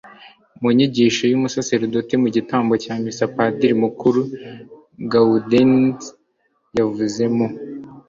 mu nyigisho y'umusaserdoti mu gitambo cya missa, padiri mukuru gaudens yavuze mu